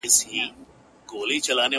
څوک به زما په مرګ خواشینی څوک به ښاد وي؟،